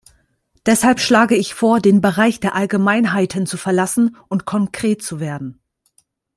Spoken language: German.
Deshalb schlage ich vor, den Bereich der Allgemeinheiten zu verlassen und konkret zu werden.